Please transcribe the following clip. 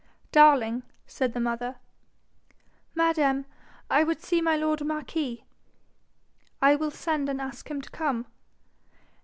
'Darling?' said the mother. 'Madam, I would see my lord marquis.' 'I will send and ask him to come.'